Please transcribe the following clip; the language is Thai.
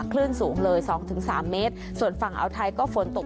คลื่นสูงเลยสองถึงสามเมตรส่วนฝั่งอ่าวไทยก็ฝนตก